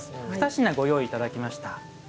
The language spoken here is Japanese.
２品、ご用意いただきました。